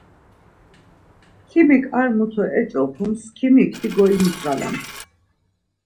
Kimik ar mutu eç̌opums, kimikti goyingzalams.